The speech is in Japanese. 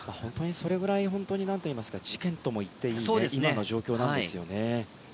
それぐらい本当に事件とも言っていい今の状況なんですよね。